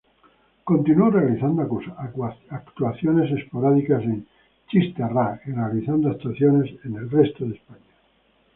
Continuó realizando actuaciones esporádicas en "Chiste-ra" y realizando actuaciones en el resto de España.